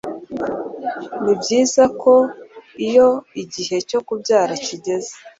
Ni byiza ko iyo igihe cyo kubyara kigeze,